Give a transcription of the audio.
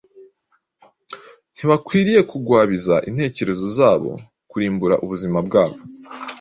ntibakwiriye kugwabiza intekerezo zabo, kurimbura ubuzima bwabo,